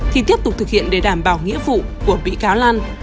thì tiếp tục thực hiện để đảm bảo nghĩa vụ của bị cáo lan